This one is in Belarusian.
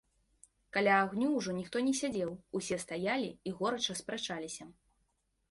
Каля агню ўжо ніхто не сядзеў, усе стаялі і горача спрачаліся.